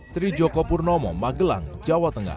tri joko purnomo magelang jawa tengah